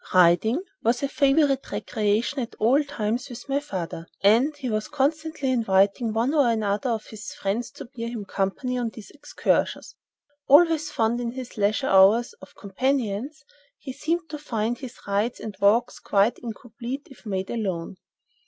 Riding was a favorite recreation at all times with my father, and he was constantly inviting one or another of his friends to bear him company on these excursions. Always fond, in his leisure hours, of companions, he seemed to find his rides and walks quite incomplete if made alone.